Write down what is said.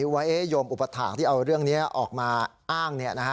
ว่าโยมอุปถาคที่เอาเรื่องนี้ออกมาอ้าง